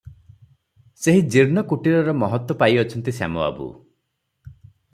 ସେହି ଜୀର୍ଣ୍ଣ କୁଟୀରର ମହତ୍ତ୍ୱ ପାଇ ଅଛନ୍ତି ଶ୍ୟାମ ବାବୁ ।